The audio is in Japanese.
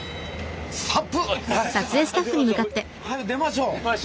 はよ出ましょう。